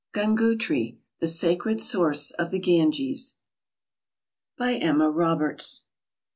GUXaOOTKEE, THE SACKED SOUECE OF THE OANOES. BY EMMA KOBERTS.